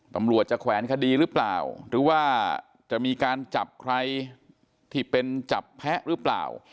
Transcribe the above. ตำรวจจะแขวนคดีหรือเปล่าหรือว่าจะมีการจับใครที่เป็นจับแพ้หรือเปล่า